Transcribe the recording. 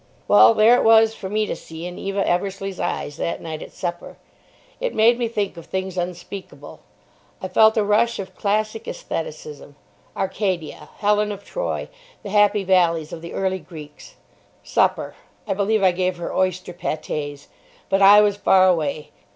Well, there it was for me to see in Eva Eversleigh's eyes that night at supper. It made me think of things unspeakable. I felt a rush of classic aestheticism: Arcadia, Helen of Troy, the happy valleys of the early Greeks. Supper: I believe I gave her oyster pâtés. But I was far away.